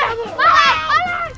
kau mau ngapain